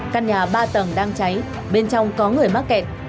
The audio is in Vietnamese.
căn nhà ba tầng đang cháy bên trong có người mắc kẹt